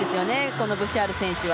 このブシャール選手は。